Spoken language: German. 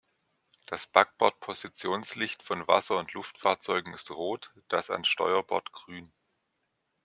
Das Backbord-Positionslicht von Wasser- und Luftfahrzeugen ist rot, das an Steuerbord grün.